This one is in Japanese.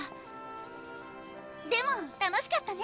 でも楽しかったね！